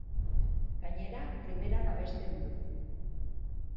Gainera, primeran abesten du.